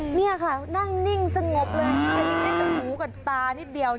นี่ค่ะนั่งนิ่งสงบเลยคลิกในตัวหูกับตานิดเดียว